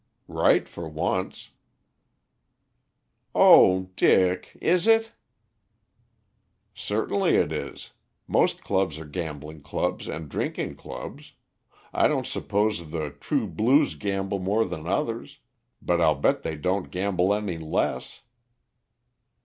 "Right for once." "Oh, Dick, is it?" "Certainly it is. Most clubs are gambling clubs and drinking clubs. I don't suppose the True Blues gamble more than others, but I'll bet they don't gamble any less."